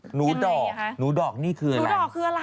หนูดอกนี่คืออะไร